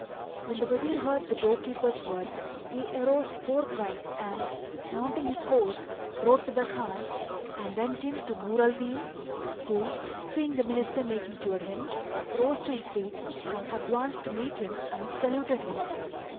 When the Wazir heard the door keeper's words he arose forthright; and, mounting his horse, rode to the Khan [FN#379] and went in to Nur al Din who, seeing the minister making towards him, rose to his feet and advanced to meet him and saluted him.